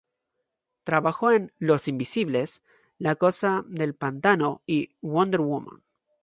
Trabajó en "Los Invisibles", "La Cosa del Pantano" y "Wonder Woman".